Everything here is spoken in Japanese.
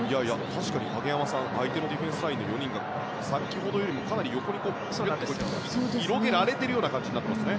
確かに相手のディフェンスライン４人が先ほどよりかなり横に広げられているような感じになっていますよね。